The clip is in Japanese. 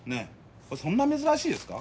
そんな珍しいですか？